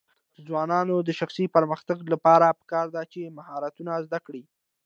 د ځوانانو د شخصي پرمختګ لپاره پکار ده چې مهارتونه زده کړي.